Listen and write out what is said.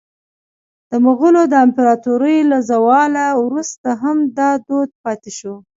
د مغولو د امپراطورۍ له زواله وروسته هم دا دود پاتې شو.